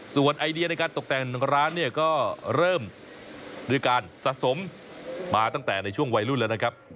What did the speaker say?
ส่วนไอเดียในการตกแต่งร้านเนี่ยก็เริ่มด้วยการสะสมมาตั้งแต่ในช่วงวัยรุ่นแล้วนะครับ